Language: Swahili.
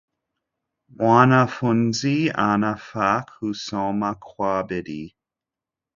Mwanafunzi anafaa kusoma Kwa bidii.